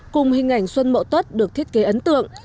cùng hình ảnh xuân mậu tuất được thiết kế ấn tượng